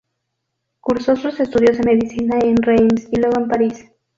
Cursó sus estudios de medicina en Reims, y luego en París.